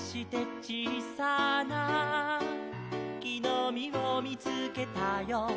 「ちいさなきのみをみつけたよ」